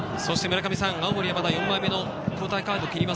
青森山田、４枚目の交代カード切ります。